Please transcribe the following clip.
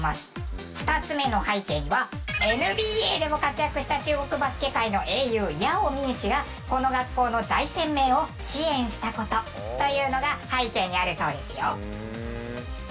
２つ目の背景にはＮＢＡでも活躍した中国バスケ界の英雄ヤオ・ミン氏がこの学校の財政面を支援した事というのが背景にあるそうですよ。